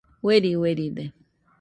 Ueri ueride